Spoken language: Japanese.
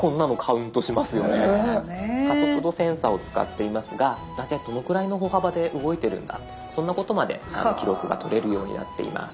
加速度センサーを使っていますが大体どのくらいの歩幅で動いてるんだそんなことまで記録がとれるようになっています。